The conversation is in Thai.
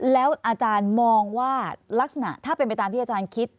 แล้วอาจารย์มองว่าลักษณะถ้าเป็นไปตามที่อาจารย์คิด